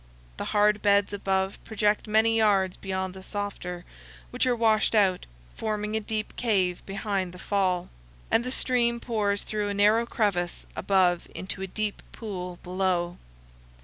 The hard beds above project many yards beyond the softer, which are washed out, forming a deep cave behind the fall, and the stream pours through a narrow crevice above into a deep pool below.